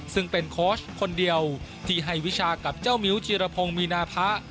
ซึ่งเป็นโค้ชคนเดียวที่ให้วิชากับเจ้ามิ้วจีรพงศ์มีนาพะ